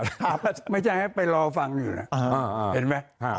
ครับไม่ใช่ฮะไปรอฟังอยู่น่ะอ่าอ่าเห็นไหมอ่า